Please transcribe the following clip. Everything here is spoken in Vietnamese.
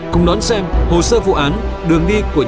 cùng đón xem hồ sơ vụ án